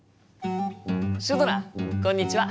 シュドラこんにちは！